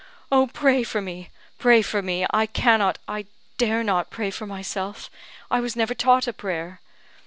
"Oh, pray for me! pray for me! I cannot, I dare not, pray for myself; I was never taught a prayer."